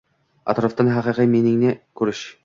atrofdan haqiqiy «Men»ingni ko‘rish...